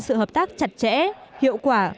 sự hợp tác chặt chẽ hiệu quả